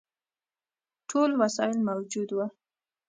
ټول وسایل موجود وه.